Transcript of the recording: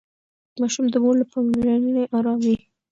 ماشوم د مور له پاملرنې ارام وي.